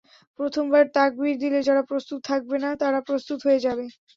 প্রথম বার তাকবীর দিলে যারা প্রস্তুত থাকবে না, তারা প্রস্তুত হয়ে যাবে।